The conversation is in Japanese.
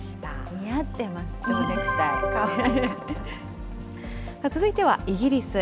似合ってます、続いては、イギリス。